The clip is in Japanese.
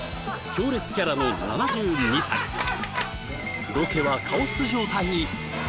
強烈キャラの７２歳ロケはカオス状態に！